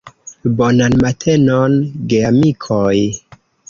Bonan matenon, geamikoj!